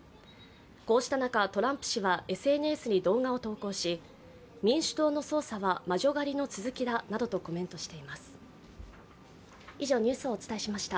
こうした中、トランプ氏はＳＮＳに動画を投稿し民主党の捜査は魔女狩りの続きだなどとコメントしています。